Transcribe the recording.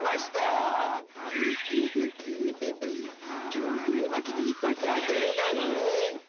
恐怖絵巻で一発当てるのよ。